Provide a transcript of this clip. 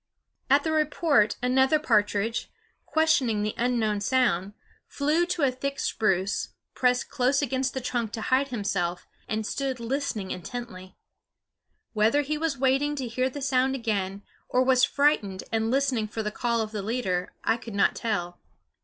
At the report another partridge, questioning the unknown sound, flew to a thick spruce, pressed close against the trunk to hide himself, and stood listening intently. Whether he was waiting to hear the sound again, or was frightened and listening for the call of the leader, I could not tell.